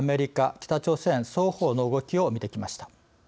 北朝鮮双方の動きを見てきました。